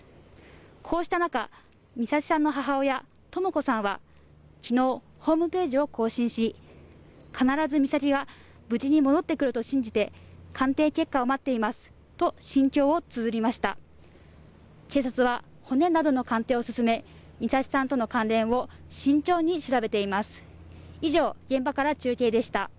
こうした中美咲ちゃんの母親とも子さんは昨日ホームページを更新し必ず美咲が無事に戻ってくると信じて鑑定結果を待っていますと心境をつづりました警察は骨などの鑑定を進め、美咲さんとの関連を慎重に調べています